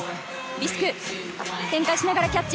リスク、転回しながらキャッチ。